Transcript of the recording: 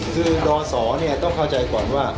คือดศต้องเข้าใจก่อนว่า